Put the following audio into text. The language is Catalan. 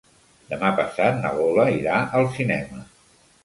Demà passat na Lola irà al cinema.